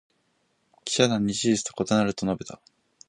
記者団に「事実と異なる」と述べた。